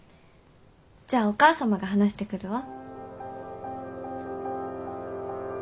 じゃあお母様が話してくるわ。